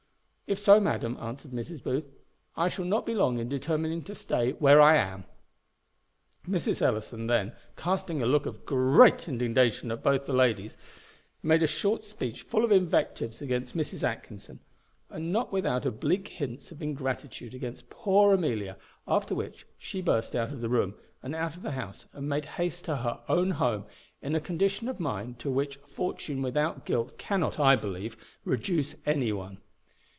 "If so, madam," answered Mrs. Booth, "I shall not be long in determining to stay where I am." Mrs. Ellison then, casting a look of great indignation at both the ladies, made a short speech full of invectives against Mrs. Atkinson, and not without oblique hints of ingratitude against poor Amelia; after which she burst out of the room, and out of the house, and made haste to her own home, in a condition of mind to which fortune without guilt cannot, I believe, reduce any one.